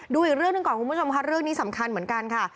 ดูอีกเรื่องหนึ่งก่อนคุณผู้ชมค่ะเรื่องนี้สำคัญเหมือนกันค่ะ